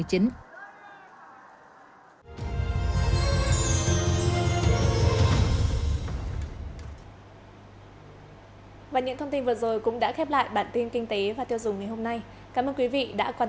thật nhiều niềm vui